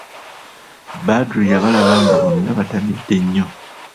Badru yabalaba nga bonna batamidde nnyo.